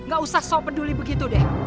gak usah so peduli begitu deh